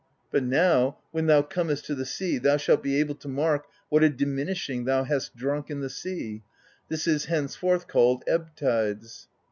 But now, when thou comest to the sea, thou shalt be able to mark what a diminishing thou hast drunk in the sea: this is henceforth called "ebb tides."'